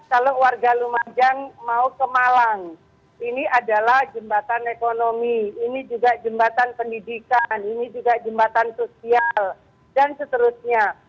kalau warga lumajang mau ke malang ini adalah jembatan ekonomi ini juga jembatan pendidikan ini juga jembatan sosial dan seterusnya